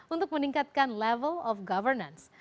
untuk meningkatkan level of governance